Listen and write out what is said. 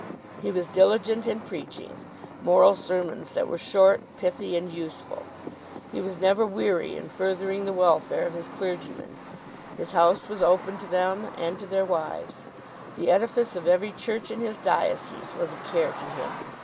He was diligent in preaching, moral sermons that were short, pithy, and useful. He was never weary in furthering the welfare of his clergymen. His house was open to them and to their wives. The edifice of every church in his diocese was a care to him.